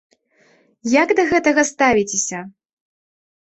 Як да гэтага ставіцеся?